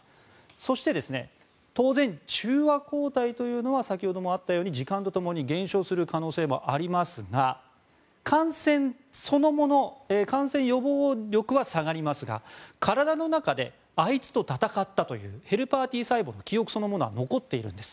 そして、当然中和抗体というのは先ほどもあったように時間とともに減少する可能性もありますが感染予防力そのものは下がりますが、体の中であいつと戦ったというヘルパーＴ細胞の記憶そのものは残っているんです。